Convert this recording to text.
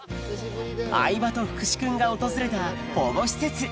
相葉と福士君が訪れた保護施設